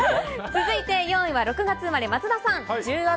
続いて４位は６月生まれの方、松田さん。